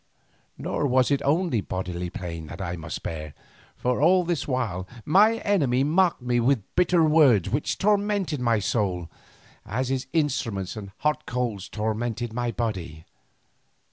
Nor was it only bodily pain that I must bear, for all this while my enemy mocked me with bitter words, which tormented my soul as his instruments and hot coals tormented my body.